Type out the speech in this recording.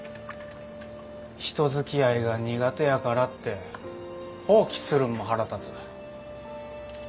人づきあいが苦手やからって放棄するんも腹立つ。